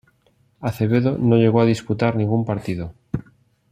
Acevedo no llegó a disputar ningún partido.